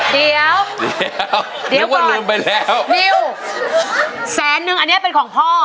เดี๋ยวเดี๋ยวก่อนนึกว่าลืมไปแล้วนิ้วแสนหนึ่งอันเนี้ยเป็นของพ่อ